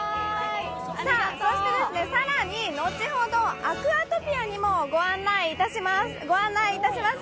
そして更に、後ほどアクアトピアにもご案内いたします。